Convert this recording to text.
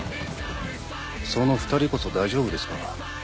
その２人こそ大丈夫ですか？